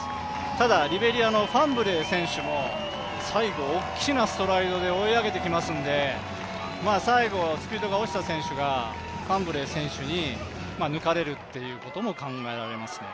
ただ、リベリアのファンブレー選手も最後、大きなストライドで追い上げてきますので最後、スピードが落ちた選手がファンブレー選手に抜かれるということも考えられますね。